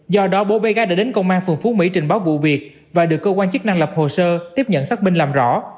do đó bố bé gái đã đến công an phường phú mỹ trình báo vụ việc và được cơ quan chức năng lập hồ sơ tiếp nhận xác minh làm rõ